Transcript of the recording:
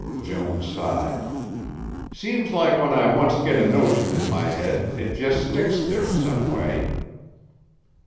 Joan sighed. "Seems like when I onct get a notion in my head it jest sticks there some way."